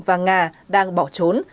và nga đang bỏ trốn